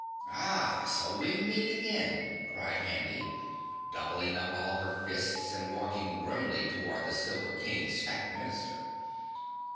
"Ah, so we meet again!" cried Handy, doubling up all her fists and walking grimly toward the Silver King's fat Minister.